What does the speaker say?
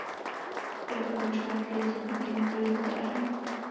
Ta je ukončena pětibokým presbytářem.